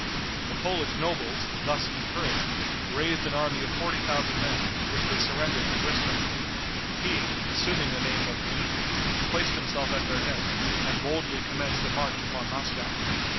The Polish nobles, thus encouraged, raised an army of forty thousand men, which they surrendered to Griska. He, assuming the name of Dmitri, placed himself at their head, and boldly commenced a march upon Moscow.